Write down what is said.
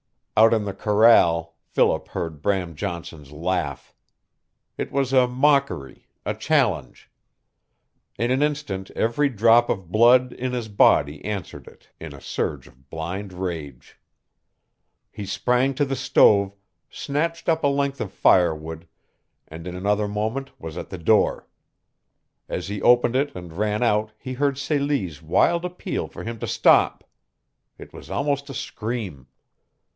Out in the corral Philip heard Bram Johnson's laugh. It was a mockery a challenge. In an instant every drop of blood in his body answered it in a surge of blind rage. He sprang to the stove, snatched up a length of firewood, and in another moment was at the door. As he opened it and ran out he heard Celie's wild appeal for him to stop. It was almost a scream.